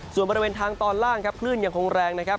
ส่วนบริเวณทางตอนล่างครับคลื่นยังคงแรงนะครับ